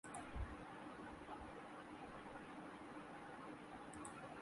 سکسیکا